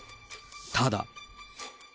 ただ。